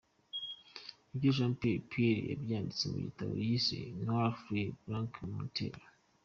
Ibyo Jean Pierre Péan yabyanditse mu gitabo yise “Noirs fureurs, blancs menteurs”.